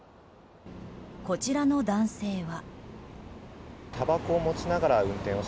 こちらの男性は。